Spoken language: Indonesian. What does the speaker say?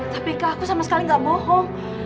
tapi kak aku sama sekali gak bohong